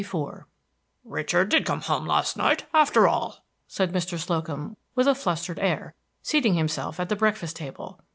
XXIV "Richard did come home last night, after all," said Mr. Slocum, with a flustered air, seating himself at the breakfast table.